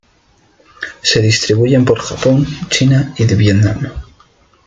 Se distribuyen por Japón, China y Vietnam.